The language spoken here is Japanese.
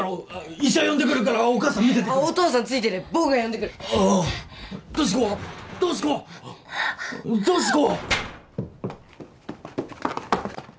医者呼んでくるからお母さんお父さんついてて僕が呼んでくる俊子俊子俊子！